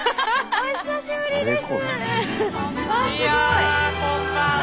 お久しぶりです。